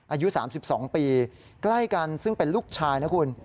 อายุ๓๒ปีใกล้กันซึ่งเป็นลูกชายนะคุณ